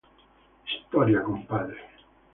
Storia con padre".